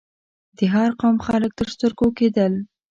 د هر قوم خلک تر سترګو کېدل.